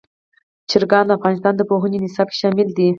چرګان د افغانستان د پوهنې نصاب کې شامل دي.